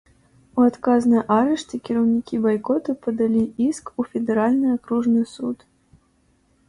У адказ на арышты кіраўнікі байкоту падалі іск у федэральны акружны суд.